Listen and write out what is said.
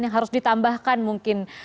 yang harus ditambahkan mungkin